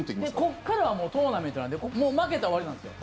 ここからはもうトーナメントなんで負けたら終わりなんですよ。